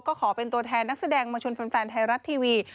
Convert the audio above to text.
ก็ขอเป็นตัวแทนนักแสดงมาชวนแฟนไทยรัฐทีวี